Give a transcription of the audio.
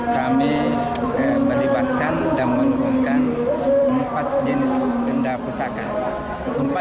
kami melibatkan dan menurunkan empat jenis benda pusaka